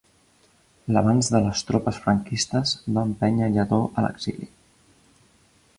L’avanç de les tropes franquistes van empènyer Lladó a l’exili.